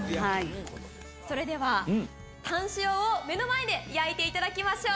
それではタン塩を目の前で焼いていただきましょう。